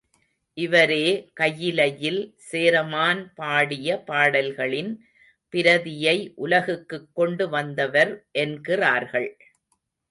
இவரே கயிலையில் சேரமான் பாடிய பாடல்களின் பிரதியை உலகுக்குக் கொண்டு வந்தவர் என்கிறார்கள்.